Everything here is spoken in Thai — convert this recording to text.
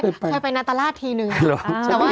อ๋อเคยไปนาตราศน์ทีหนึ่ง